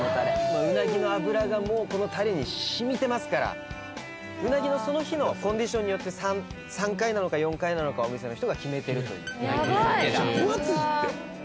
まぁうなぎの脂がもうこのタレに染みてますからうなぎのその日のコンディションによって３回なのか４回なのかお店の人が決めてるというヤバい分厚いって！